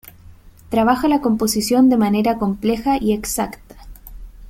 Trabaja la composición de manera compleja y exacta.